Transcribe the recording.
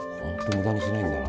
無駄にしないんだな。